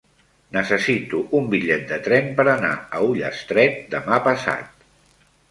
Necessito un bitllet de tren per anar a Ullastret demà passat.